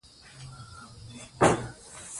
ترکیب د جملې برخه يي.